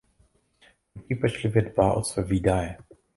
Hnutí pečlivě dbá o své výdaje.